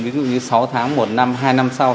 ví dụ như sáu tháng một năm hai năm sau